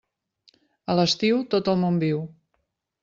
A l'estiu, tot el món viu.